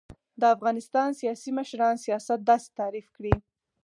و : د افغانستان سیاسی مشران سیاست داسی تعریف کړی